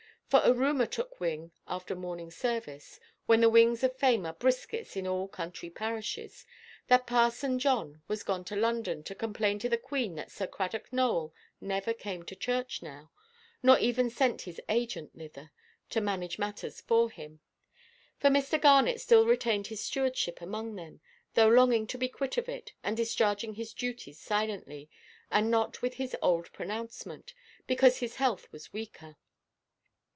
For a rumour took wing after morning service—when the wings of fame are briskest in all country parishes—that parson John was gone to London to complain to the Queen that Sir Cradock Nowell never came to church now, nor even sent his agent thither, to manage matters for him. For Mr. Garnet still retained his stewardship among them, though longing to be quit of it, and discharging his duties silently, and not with his old pronouncement, because his health was weaker.